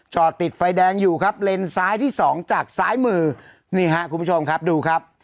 จอดติดไฟแดงอยู่ครับเลนซ้ายที่สองจากซ้ายมือนี่ฮะคุณผู้ชมครับดูครับ